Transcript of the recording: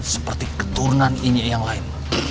seperti keturunan ini yang lain